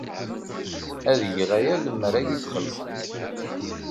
Ad geɣ aya lemmer ad iyi-d-xellṣent.